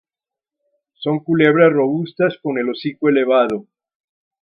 Son culebras robustas con el hocico elevado.